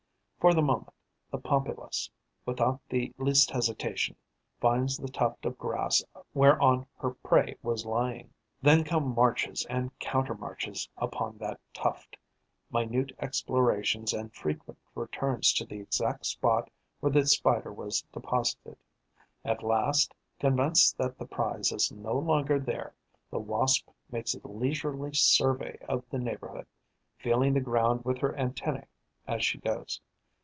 For the moment, the Pompilus, without the least hesitation, finds the tuft of grass whereon her prey was lying. Then come marches and counter marches upon that tuft, minute explorations and frequent returns to the exact spot where the Spider was deposited. At last, convinced that the prize is no longer there, the Wasp makes a leisurely survey of the neighbourhood, feeling the ground with her antennae as she goes.